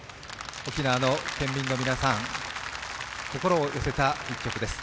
沖縄の県民の皆さん、心を寄せた一曲です。